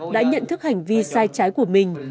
đã nhận thức hành vi sai trái của mình